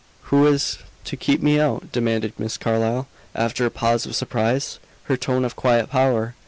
"Who is to keep me out?" demanded Miss Carlyle, after a pause of surprise, her tone of quiet power.